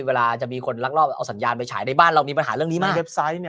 เวลาจะมีคนรักรอบเอาสัญญาณไปฉายในบ้านเรามีปัญหาเรื่องนี้ไหมเว็บไซต์